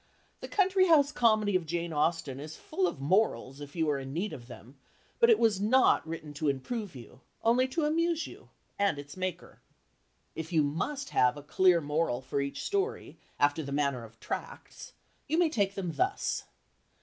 The Country house Comedy of Jane Austen is full of morals if you are in need of them, but it was not written to improve you, only to amuse you and its maker. If you must have a clear moral for each story, after the manner of tracts, you may take them thus.